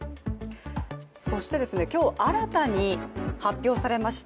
そして今日、新たに発表されました